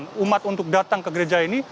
untuk umat untuk datang ke gereja ini